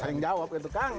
saya yang jawab kan tukang